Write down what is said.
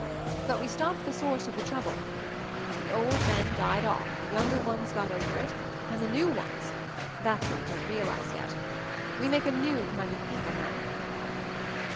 But we stopped the source of the trouble. The old men died off, the younger ones got over it, and the new ones — that's what you don't realize yet : We \ make a new kind of people now."